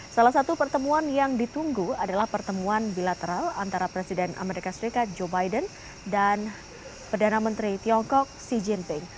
salah satu pertemuan yang ditunggu adalah pertemuan bilateral antara presiden amerika serikat joe biden dan perdana menteri tiongkok xi jinping